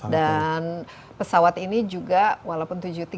dan pesawat ini juga walaupun tujuh ratus tiga puluh tujuh